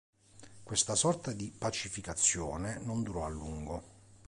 Questa sorta di pacificazione non durò a lungo.